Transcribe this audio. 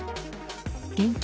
現金